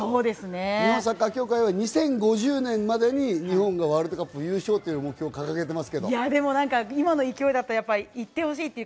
日本サッカー協会は２０５０年までに日本がワールドカップ優勝というのを目標として掲げています。